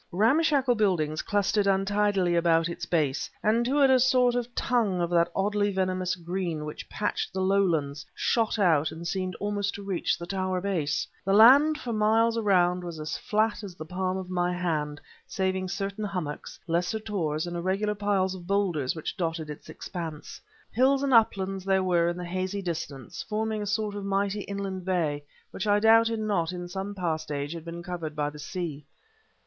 Ramshackle buildings clustered untidily about its base, and to it a sort of tongue of that oddly venomous green which patched the lowlands, shot out and seemed almost to reach the towerbase. The land for miles around was as flat as the palm of my hand, saving certain hummocks, lesser tors, and irregular piles of boulders which dotted its expanse. Hills and uplands there were in the hazy distance, forming a sort of mighty inland bay which I doubted not in some past age had been covered by the sea.